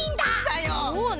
さよう！